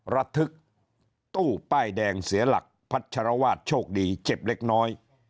ระทึกตู้ป้ายแดงเสียหลักพัชรวาสโชคดีเจ็บเล็กน้อย